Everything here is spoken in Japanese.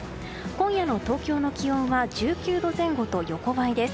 今夜の東京の気温は１９度前後と横ばいです。